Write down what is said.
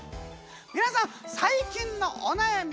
皆さん最近のお悩み